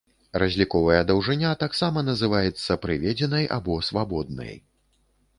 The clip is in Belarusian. Разліковая даўжыня, таксама называецца прыведзенай або свабоднай.